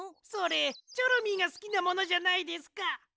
それチョロミーがすきなものじゃないですか！